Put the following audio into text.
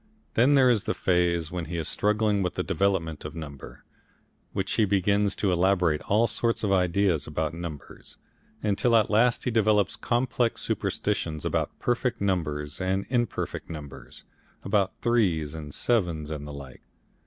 Then there is the phase when he is struggling with the development of number, when he begins to elaborate all sorts of ideas about numbers, until at last he develops complex superstitions about perfect numbers and imperfect numbers, about threes and sevens and the like.